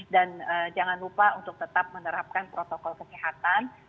dan jangan lupa untuk tetap menerapkan protokol kesehatan